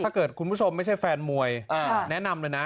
ถ้าเกิดคุณผู้ชมไม่ใช่แฟนมวยแนะนำเลยนะ